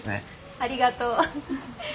ありがとう。